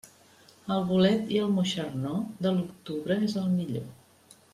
El bolet i el moixernó, de l'octubre és el millor.